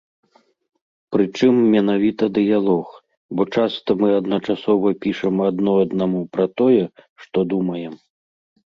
Прычым, менавіта дыялог, бо часта мы адначасова пішам адно аднаму пра тое, што думаем.